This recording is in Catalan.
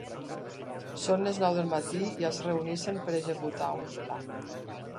Són les nou del matí i es reuneixen per executar un pla.